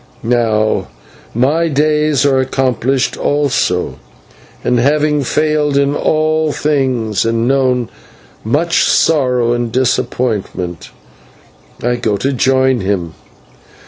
Now my days are accomplished also, and, having failed in all things and known much sorrow and disappointment, I go to join him.